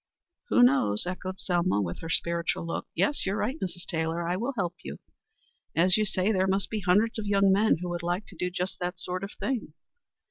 "Who knows?" echoed Selma, with her spiritual look. "Yes, you are right, Mrs. Taylor. I will help you. As you say, there must be hundreds of young men who would like to do just that sort of thing.